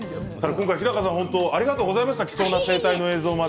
今回ありがとうございました。